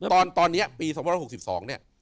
ตอนนี้ปี๒๖๒เนี่ย